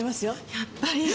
やっぱり！